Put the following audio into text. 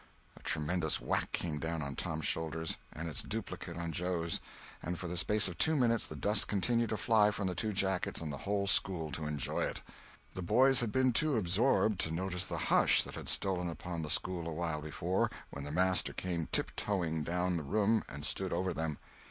A tremendous whack came down on Tom's shoulders, and its duplicate on Joe's; and for the space of two minutes the dust continued to fly from the two jackets and the whole school to enjoy it. The boys had been too absorbed to notice the hush that had stolen upon the school awhile before when the master came tiptoeing down the room and stood over them.